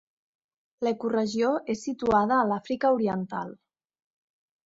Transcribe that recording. L'ecoregió és situada a l'Àfrica oriental.